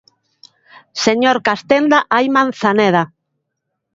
Señor Castenda, hai Manzaneda.